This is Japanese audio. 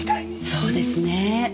そうですねえ。